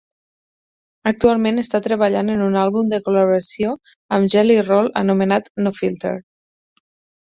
Actualment està treballant en un àlbum de col·laboració amb JellyRoll anomenat "No Filter".